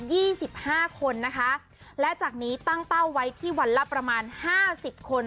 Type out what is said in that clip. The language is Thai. สิบห้าคนนะคะและจากนี้ตั้งเป้าไว้ที่วันละประมาณห้าสิบคน